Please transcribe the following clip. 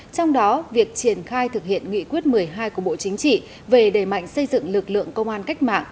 trong đó việc triển khai thực hiện nghị quyết một mươi hai của bộ chính trị về đề mạnh xây dựng lực lượng công an cách mạng